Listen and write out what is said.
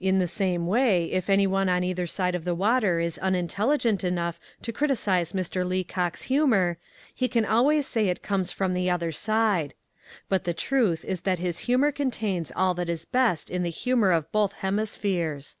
In the same way, if anyone on either side of the water is unintelligent enough to criticise Mr. Leacock's humour, he can always say it comes from the other side. But the truth is that his humour contains all that is best in the humour of both hemispheres.